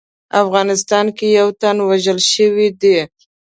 افغانستان کې یو تن وژل شوی دی